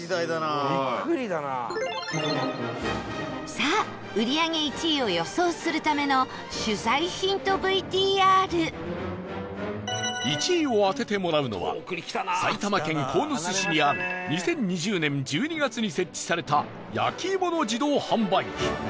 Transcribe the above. さあ、売り上げ１位を予想するための取材ヒントＶＴＲ１位を当ててもらうのは埼玉県鴻巣市にある２０２０年１２月に設置された焼き芋の自動販売機